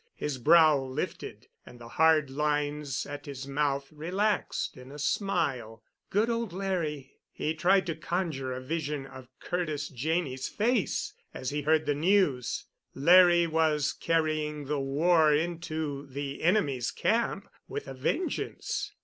His brow lifted, and the hard lines at his mouth relaxed in a smile. Good old Larry! He tried to conjure a vision of Curtis Janney's face as he heard the news. Larry was carrying the war into the enemy's camp with a vengeance.